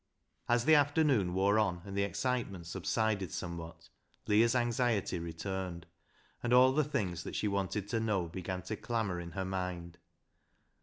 As the afternoon wore on and the excitement subsided somewhat, Leah's anxiety returned, and all the things that she wanted to know began to clamour in her mind.